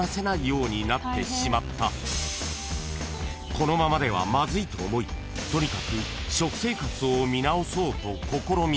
［このままではまずいと思いとにかく食生活を見直そうと試みた］